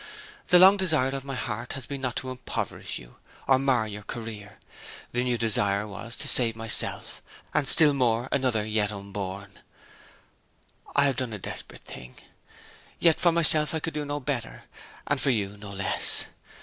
The long desire of my heart has been not to impoverish you or mar your career. The new desire was to save myself and, still more, another yet unborn. ... I have done a desperate thing. Yet for myself I could do no better, and for you no less.